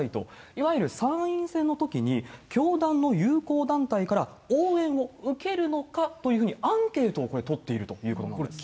いわゆる参院選のときに、教団の友好団体から応援を受けるのかというふうにアンケートを、これ取っているということなんです。